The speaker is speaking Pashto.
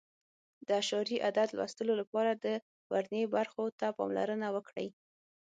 د اعشاري عدد لوستلو لپاره د ورنیې برخو ته پاملرنه وکړئ.